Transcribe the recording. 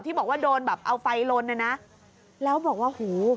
บอกว่าโดนแบบเอาไฟลนน่ะนะแล้วบอกว่าหู